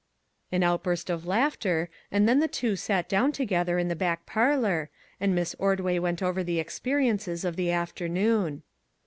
An outburst of laughter, and then the two sat down together in the back parlor, and Miss Ordway went over the experiences of the after noon.